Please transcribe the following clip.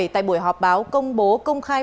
tại buổi họp báo công bố công khai